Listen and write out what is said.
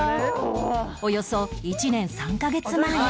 およそ１年３カ月前